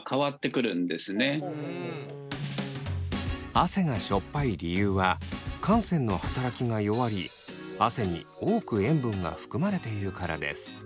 汗がしょっぱい理由は汗腺の働きが弱り汗に多く塩分が含まれているからです。